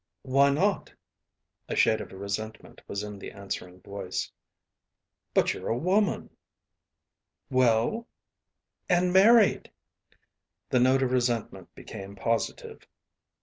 "Why not?" A shade of resentment was in the answering voice. "But you're a woman " "Well " "And married " The note of resentment became positive.